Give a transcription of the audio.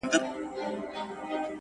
o ستا د يوې لپي ښكلا په بدله كي ياران ـ